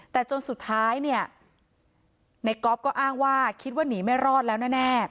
แต่จนสุดท้ายเนี่ยในก๊อฟก็อ้างว่าคิดว่าหนีไม่รอดแล้วแน่